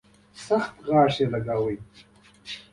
سخت چک یې لګاوه.